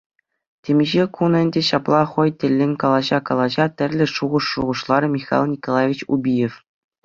Темиҫе кун ӗнтӗ ҫапла хӑй тӗллӗн калаҫа-калаҫа тӗрлӗ шухӑш шухӑшларӗ Михаил Николаевич Убиев.